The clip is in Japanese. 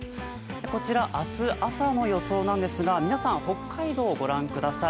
こちら、明日朝の予想なんですが皆さん北海道を御覧ください。